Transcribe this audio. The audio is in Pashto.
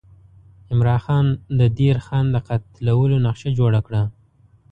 عمرا خان د دیر خان د قتلولو نقشه جوړه کړه.